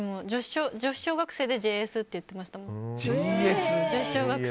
女子小学生でＪＳって言ってましたもん。